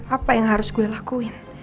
apa yang harus gue lakuin